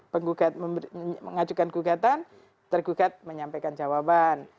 penggugat mengajukan gugatan tergugat menyampaikan jawaban